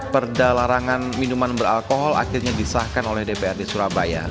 perda larangan minuman beralkohol akhirnya disahkan oleh dprd surabaya